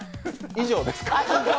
以上ですか？